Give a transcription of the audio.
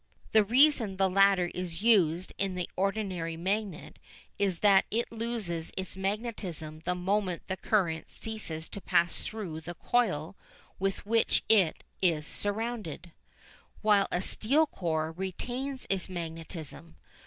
The reason the latter is used in the ordinary magnet is that it loses its magnetism the moment the current ceases to pass through the coil with which it is surrounded, while a steel core retains its magnetism.